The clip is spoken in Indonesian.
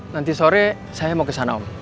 nanti sore saya mau kesana om